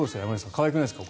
可愛くないですか？